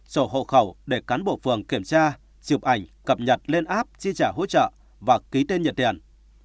sổ hộ khẩu để cán bộ phường kiểm tra chụp ảnh cập nhật lên app chi trả hỗ trợ và ký tên nhận tiền